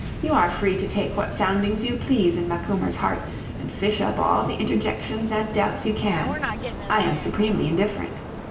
You are free to take what soundings you please in Macumer's heart, and fish up all the interjections and doubts you can. I am supremely indifferent.